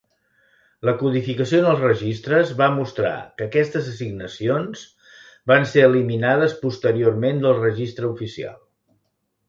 La codificació en els registres va mostrar que aquestes assignacions van ser eliminades posteriorment del registre oficial.